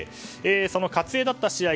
その「かつエ」だった試合